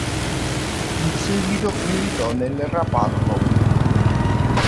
In seguito militò nel Rapallo.